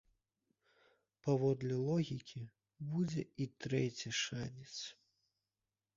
Паводле логікі, будзе і трэці шанец.